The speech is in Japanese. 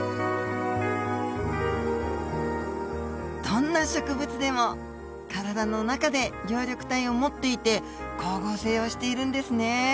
どんな植物でも体の中で葉緑体を持っていて光合成をしているんですね。